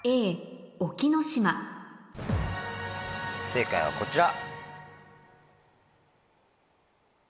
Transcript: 正解はこちら。